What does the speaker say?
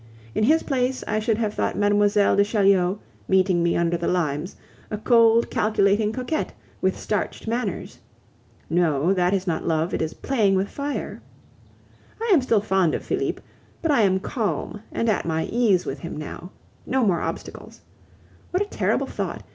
In his place I should have thought Mlle. de Chaulieu, meeting me under the limes, a cold, calculating coquette, with starched manners. No, that is not love, it is playing with fire. I am still fond of Felipe, but I am calm and at my ease with him now. No more obstacles! What a terrible thought!